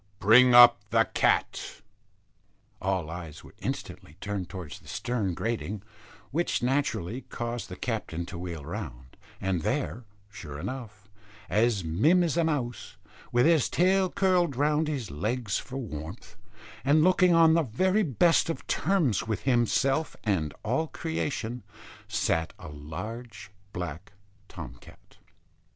Bring up the cat." All eyes were instantly turned towards the stern grating, which naturally caused the captain to wheel round; and there, sure enough, as mim as a mouse, with his tail curled round his legs for warmth, and looking on the very best of terms with himself and all creation, sat a large black Tom cat.